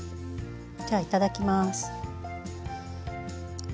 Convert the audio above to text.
じゃあいただきます。